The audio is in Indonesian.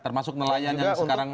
termasuk nelayan yang sekarang